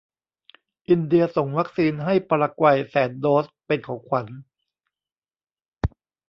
อินเดียส่งวัคซีนให้ปารากวัยแสนโดสเป็นของขวัญ